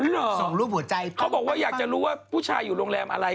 อ๋อเหรอเขาบอกว่าอยากจะรู้ว่าผู้ชายอยู่โรงแรมอะไร